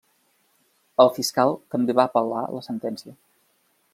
El fiscal també va apel·lar la sentència.